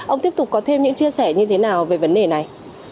ông tiếp tục có thêm những chia sẻ như thế nào về vấn đề này